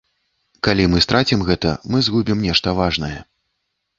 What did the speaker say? Калі мы страцім гэта, мы згубім нешта важнае.